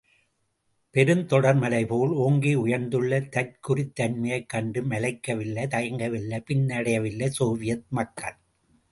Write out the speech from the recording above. பெருந்தொடர்மலை போல், ஒங்கி உயர்ந்துள்ள தற்குறித் தன்மையைக் கண்டு மலைக்கவில்லை, தயங்கவில்லை, பின்னடையவில்லை சோவியத் மக்கள்.